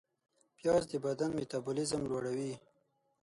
پیاز د بدن میتابولیزم لوړوي